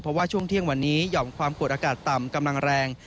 เพราะว่าช่วงเที่ยงวันนี้หย่อมความกดอากาศต่ำกำลังแรง